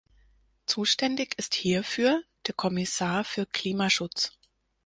Zuständig ist hierfür der Kommissar für Klimaschutz.